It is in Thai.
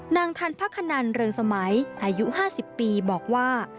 นางทันพระขนันเริงสมัยอายุ๕๐ปีบอกว่า